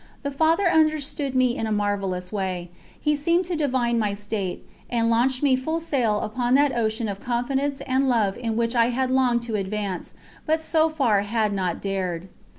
The Father understood me in a marvellous way; he seemed to divine my state, and launched me full sail upon that ocean of confidence and love in which I had longed to advance, but so far had not dared.